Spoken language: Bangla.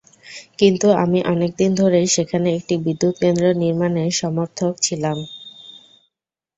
কিন্তু আমি অনেক দিন ধরেই সেখানে একটি বিদ্যুৎকেন্দ্র নির্মাণের সমর্থক ছিলাম।